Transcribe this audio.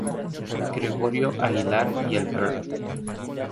Gregorio Aguilar y el Br.